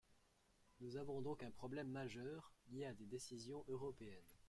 Nous avons donc un problème majeur, lié à des décisions européennes.